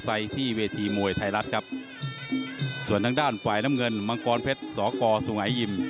ส่วนทางด้านฝ่ายน้ำเงินมังกรเพชรสกสุงายยิม